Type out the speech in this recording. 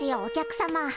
お客様。